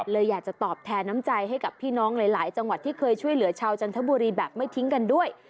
เลยอยากจะตอบแทนน้ำใจให้กับพี่น้องหลายจังหวัดที่เคยช่วยเหลือชาวจันทบุรีแบบไม่ทิ้งกันด้วย